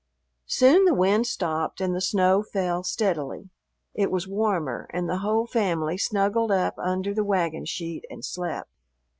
Soon the wind stopped and the snow fell steadily. It was warmer, and the whole family snuggled up under the wagon sheet and slept.